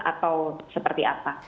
atau seperti itu